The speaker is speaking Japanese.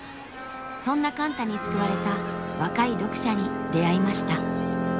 そんな貫多に救われた若い読者に出会いました。